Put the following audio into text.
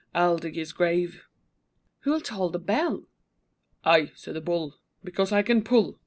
I'll dig his grave. Who'll toll the bell? I, said the Bull, Because I can pull.